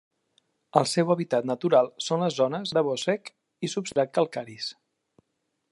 El seu hàbitat natural són les zones de bosc sec i substrat calcaris.